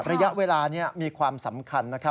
ระยะเวลาเนี่ยมีความสำคัญนะคะ